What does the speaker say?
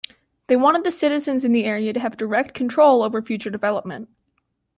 They wanted the citizens in the area to have direct control over future development.